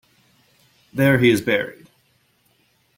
There he is buried.